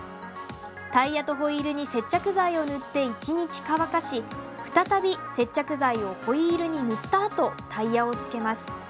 タイヤとホイールに接着剤を塗って１日乾かし再び接着剤をホイールに塗ったあとタイヤを着けます。